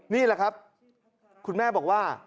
นี่แหละครับคุณแม่บอกว่า